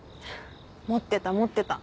持ってた持ってた。